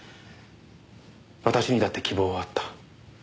私にだって希望はあった。